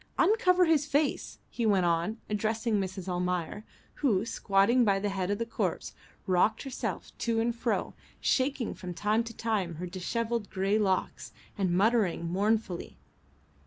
Uncover his face," he went on, addressing Mrs. Almayer, who, squatting by the head of the corpse, rocked herself to and fro, shaking from time to time her dishevelled grey locks, and muttering mournfully.